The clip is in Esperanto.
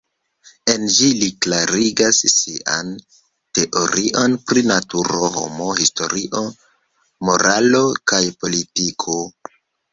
En ĝi li klarigas sian teorion pri naturo, homo, historio, moralo kaj politiko.